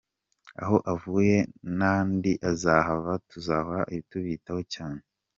Aho avuye n’andi azahava, tuzahora tubitaho cyane.